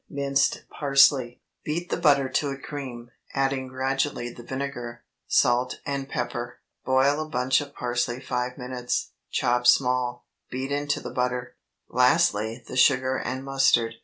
Minced parsley. Beat the butter to a cream, adding gradually the vinegar, salt, and pepper. Boil a bunch of parsley five minutes, chop small; beat into the butter; lastly the sugar and mustard.